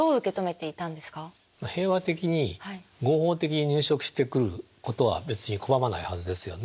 平和的に合法的に入植してくることは別に拒まないはずですよね。